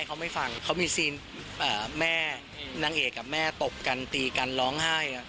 เขาไม่ฟังเขามีซีนแม่นางเอกกับแม่ตบกันตีกันร้องไห้